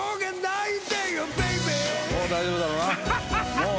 もう大丈夫だろな？